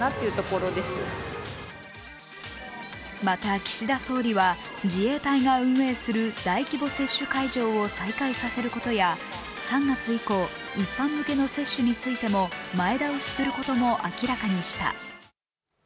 また、岸田総理は自衛隊が運営する大規模接種会場を再開させることや、３月以降、一般向けの接種についても前倒しすることも明らかにした。